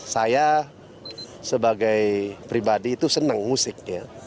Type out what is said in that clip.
saya sebagai pribadi itu senang musiknya